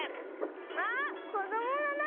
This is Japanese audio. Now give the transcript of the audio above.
あっこどものな